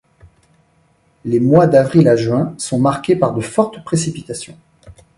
Les mois d’avril à juin sont marqués par de fortes précipitations.